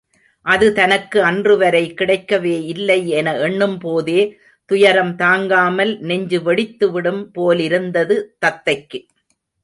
அது தனக்கு அன்றுவரை கிடைக்கவே இல்லை என எண்ணும் போதே துயரம் தாங்காமல் நெஞ்சு வெடித்துவிடும் போலிருந்தது தத்தைக்கு.